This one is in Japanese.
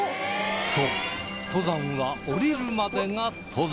そう登山は下りるまでが登山